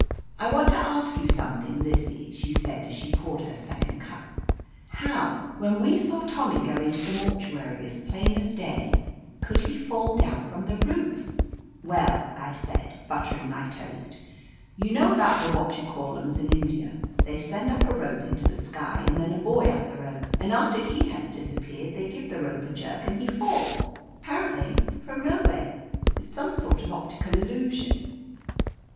"I want to ask you something, Lizzie," she said as she poured her second cup. "How, when we saw Tommy go into the mortuary, as plain as day, could he fall down from the roofr "Well, I said, buttering my toast, "you know about the what you call 'ems in India, They send up a rope into the sky and then a boy up the rope, and after he has disappeared they give the rope a jerk and he falls, appar ently from nowhere. It's some sort of optical illusion."